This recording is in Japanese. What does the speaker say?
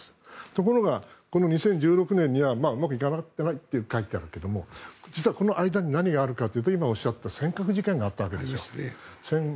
ところが、この２０１６年にはうまくいかなかったってありますが実はこの間に何があるかというと今おっしゃった尖閣事件があったわけですよ。